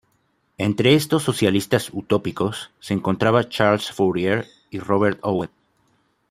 Entre estos "socialistas utópicos" se encontraba Charles Fourier y Robert Owen.